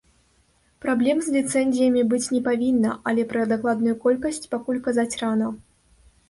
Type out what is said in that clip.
Праблем з ліцэнзіямі быць не павінна, але пра дакладную колькасць пакуль казаць рана.